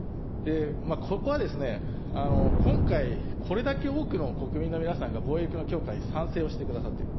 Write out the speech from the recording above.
ここはですね、今回、これだけ多くの国民の皆さんが防衛力の強化に賛成をしてくださっている。